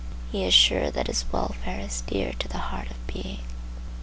He is sure that his welfare is dear to the heart of being.